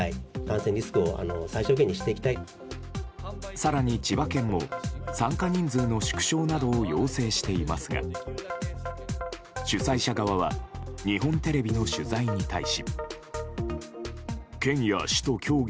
更に、千葉県も参加人数の縮小などを要請していますが主催者側は日本テレビの取材に対し。